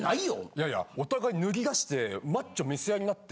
いやいやお互い脱ぎだしてマッチョ見せあいになって。